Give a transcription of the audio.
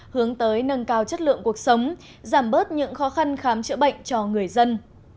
hướng tới nâng cao chất lượng cuộc sống giảm bớt những khó khăn khám chữa bệnh cho người dân